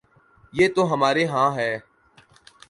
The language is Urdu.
یہ تو ہمارے ہاں ہے۔